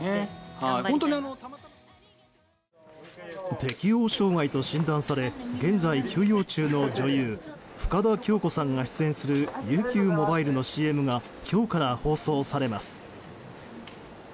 適応障害と診断され現在、休養中の女優深田恭子さんが出演するＵＱモバイルのＣＭが今日から放送されます。